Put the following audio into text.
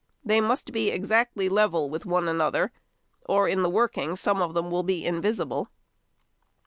They must be exactly level one with another, or in the working some of them will be invisible.